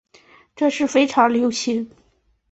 这是非常流行。